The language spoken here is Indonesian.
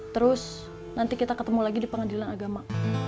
terus nanti kita ketemu lagi di pengadilan agama